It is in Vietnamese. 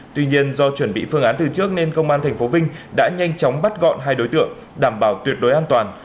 tuy nhiên do chuẩn bị phương án từ trước nên công an tp vinh đã nhanh chóng bắt gọn hai đối tượng đảm bảo tuyệt đối an toàn